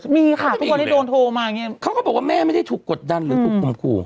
มีค่ะทุกวันนี้โดนโทรมาอย่างนี้เขาก็บอกว่าแม่ไม่ได้ถูกกดดันหรือถูกข่มขู่